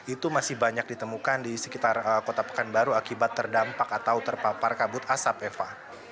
itu masih banyak ditemukan di sekitar kota pekanbaru akibat terdampak atau terpapar kabut asap eva